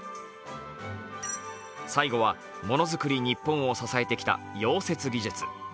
最後はものづくり日本を支えてきた溶接技術。